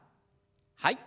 はい。